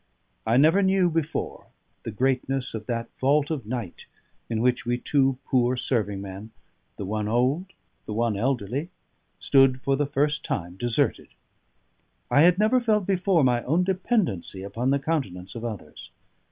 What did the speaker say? I never knew before the greatness of that vault of night in which we two poor serving men the one old, and the one elderly stood for the first time deserted; I had never felt before my own dependency upon the countenance of others.